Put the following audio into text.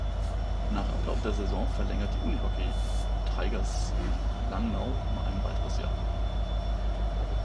Nach Ablauf der Saison verlängerten die Unihockey Tigers Langnau um ein weiteres Jahr.